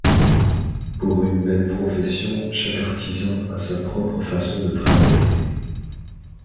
Pour une même profession, chaque artisan a sa propre façon de travailler.